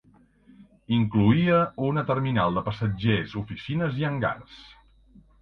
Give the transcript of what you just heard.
Incloïa una terminal de passatgers, oficines i hangars.